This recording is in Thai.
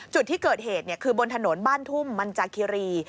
จุดที่เกิดเหตุคือบนถนนบ้านทุ่มมันจากคิรี